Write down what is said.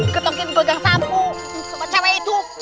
ketukin gojang sapu sama cewe itu